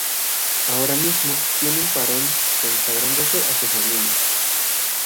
Ahora mismo, tiene un parón consagrándose a su familia.